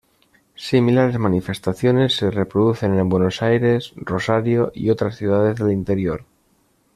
Similares manifestaciones se reproducen en Buenos Aires, Rosario y otras ciudades del interior.